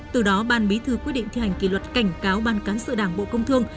từ đó ban bí thư quyết định thi hành kỷ luật cảnh cáo ban cán sự đảng bộ công thương